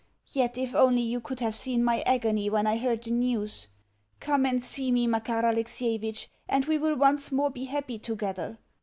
Yet if only you could have seen my agony when I heard the news!... Come and see me, Makar Alexievitch, and we will once more be happy together.